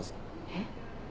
えっ？